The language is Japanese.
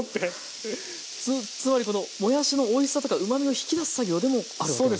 つまりこのもやしのおいしさとかうまみを引き出す作業でもあるわけ。